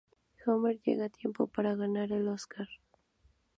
Homer llega a tiempo para ganar el Oscar.